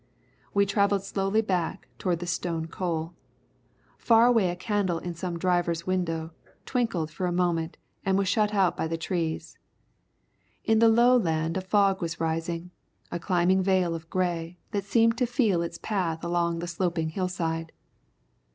We travelled slowly back toward the Stone Coal. Far away a candle in some driver's window twinkled for a moment and was shut out by the trees. In the low land a fog was rising, a climbing veil of grey, that seemed to feel its path along the sloping hillside.